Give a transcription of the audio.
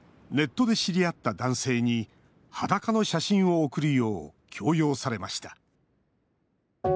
ネットで知り合った男性に裸の写真を送るよう強要されました。